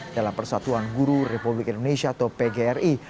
dalam persatuan guru republik indonesia atau pgri